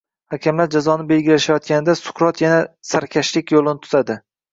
Hakamlar jazoni belgilashayotganida Suqrot yana sarkashlik yo‘lini tutadi